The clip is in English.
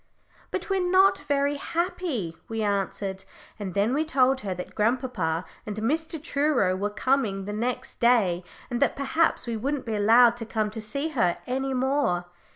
"But we're not very happy," we answered; and then we told her that grandpapa and Mr. Truro were coming the next day, and that perhaps we wouldn't be allowed to come to see her any more.